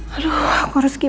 aku harus gimana nih sekarang